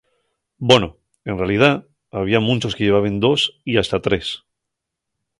Bono, en realidá, había munchos que llevaben dos y hasta tres.